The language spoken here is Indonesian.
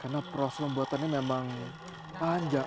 karena proses pembuatannya memang panjang